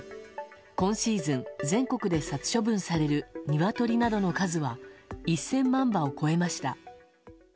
今シーズン全国で殺処分されるニワトリなどの数は１０００万羽を超えました。